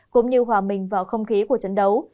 cũng như hòa mình vào không khí của trận đấu